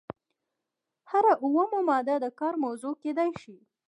هره اومه ماده د کار موضوع کیدای شي.